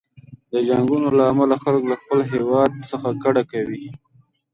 د جنګونو له امله خلک له خپل هیواد څخه کډه کوي.